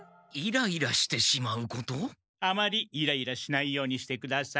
あまりイライラしないようにしてください。